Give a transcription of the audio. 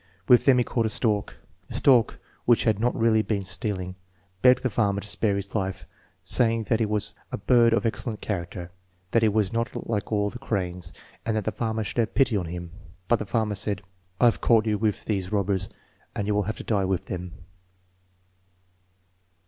With them he caught a stork. TJie stork, which had not really been stealing, begged the farmer to spare his life, saying that he was a bird of excellent character, that he was not at all like the cranes, and that the farmer should have pity on him. But the farmer said: "7 Jiave caught you with these robbers, and you will have to die with them."